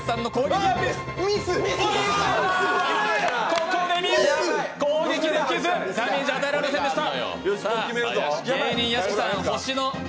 ここでミス、攻撃できず、ダメージを与えられませんでした。